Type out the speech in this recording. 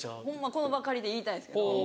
この場借りて言いたいんですけど。